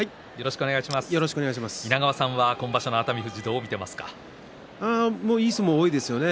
稲川さんは今場所の熱海富士をいい相撲が多いですよね。